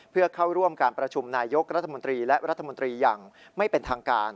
เพื่อเข้าร่วมการประชุมนายยกรัฐมนตรีและรัฐมนตรีอย่างไม่เป็นทางการ